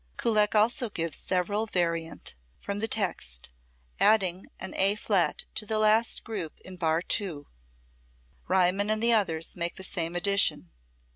Kullak also gives several variante from the text, adding an A flat to the last group in bar II. Riemann and the others make the same addition.